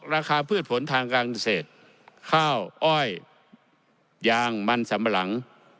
ราคาพืชผลทางการเศรษฐ์ข้าวอ้อยยางมันสำหรัง